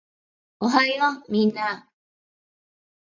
おはようみんな